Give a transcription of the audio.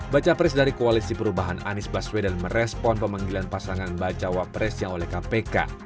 baca pres dari koalisi perubahan anies baswedan merespon pemanggilan pasangan bacawa presnya oleh kpk